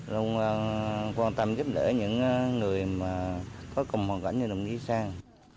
luôn quan tâm giúp đỡ những người mà có cùng hoàn cảnh như đồng chí sang